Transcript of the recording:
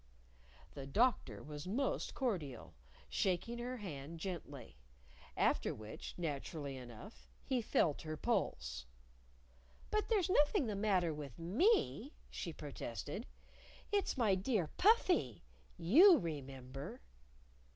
The Doctor was most cordial, shaking her hand gently; after which, naturally enough, he felt her pulse. "But there's nothing the matter with me," she protested. "It's my dear Puffy. You remember."